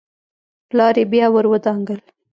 پلار يې بيا ور ودانګل.